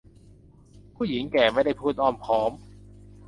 ผู้หญิงแก่ไม่ได้พูดอ้อมค้อม